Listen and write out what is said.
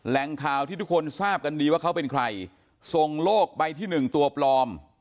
แหล่งข่าวที่ทุกคนทราบกันดีว่าเขาเป็นใครส่งโลกใบที่หนึ่งตัวปลอม